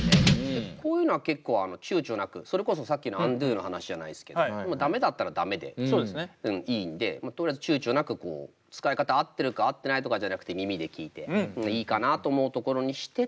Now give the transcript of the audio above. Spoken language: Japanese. こういうのは結構ちゅうちょなくそれこそさっきのＵｎｄｏの話じゃないですけど駄目だったら駄目でいいんでとりあえずちゅうちょなく使い方合ってるか合ってないとかじゃなくて耳で聴いていいかなと思うところにして